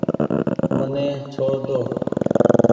مني ڇوڙ ۮو۔